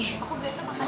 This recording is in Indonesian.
gak ada apa apa